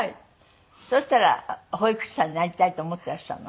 そしたら保育士さんになりたいと思っていらっしゃるの？